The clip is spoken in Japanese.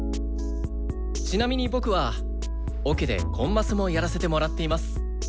ちなみに僕はオケでコンマスもやらせてもらっています。